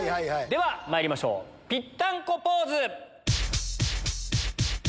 ではまいりましょうピッタンコポーズ！